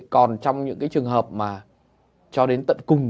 còn trong những cái trường hợp mà cho đến tận cùng